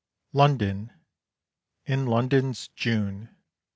London, in London's June!